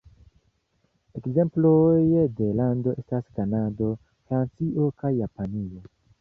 Ekzemploj de lando estas Kanado, Francio, kaj Japanio.